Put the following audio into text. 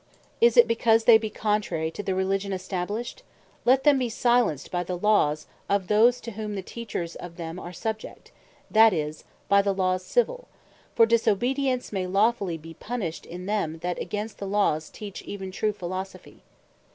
Is it because they be contrary to the Religion established? Let them be silenced by the Laws of those, to whom the Teachers of them are subject; that is, by the Laws Civill: For disobedience may lawfully be punished in them, that against the Laws teach even true Philosophy.